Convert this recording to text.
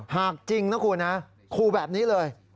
จริงนะคุณนะคู่แบบนี้เลย